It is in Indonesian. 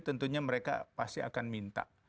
tentunya mereka pasti akan minta